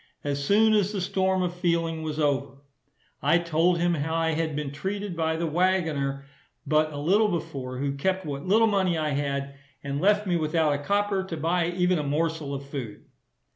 As soon as the storm of feeling was over, I told him how I had been treated by the waggoner but a little before, who kept what little money I had, and left me without a copper to buy even a morsel of food.